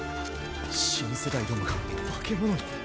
新世代どもが化け物に？